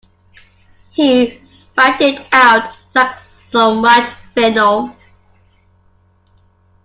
He spat it out like so much venom.